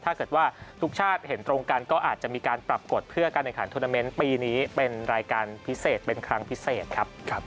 ถ้าเกิดว่าทุกชาติเห็นตรงกันก็อาจจะมีการปรับกฎเพื่อการแข่งขันทวนาเมนต์ปีนี้เป็นรายการพิเศษเป็นครั้งพิเศษครับ